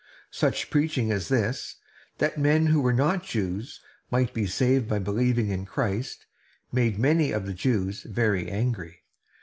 Such preaching as this, that men who were not Jews might be saved by believing in Christ, made many of the Jews very angry.